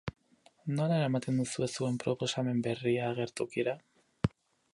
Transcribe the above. Nola eramaten duzue zuen proposamen berria agertokira?